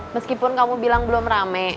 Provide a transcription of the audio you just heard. meskipun kamu bilang belum rame